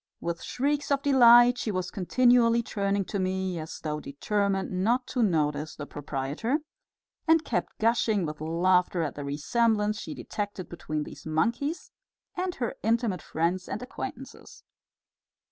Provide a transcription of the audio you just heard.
With shrieks of delight she was continually turning to me, as though determined not to notice the proprietor, and kept gushing with laughter at the resemblance she detected between these monkeys and her intimate friends and acquaintances.